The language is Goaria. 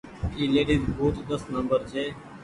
اي ليڊيز بوٽ ڏس نمبر ڇي۔